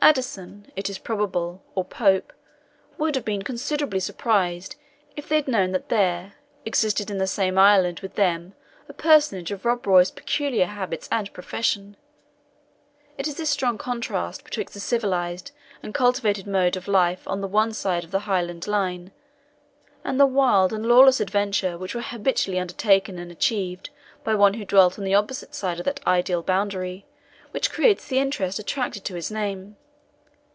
Addison, it is probable, or Pope, would have been considerably surprised if they had known that there existed in the same island with them a personage of Rob Roy's peculiar habits and profession. It is this strong contrast betwixt the civilised and cultivated mode of life on the one side of the Highland line, and the wild and lawless adventures which were habitually undertaken and achieved by one who dwelt on the opposite side of that ideal boundary, which creates the interest attached to his name.